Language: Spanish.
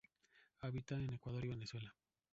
Habita en Ecuador y Venezuela.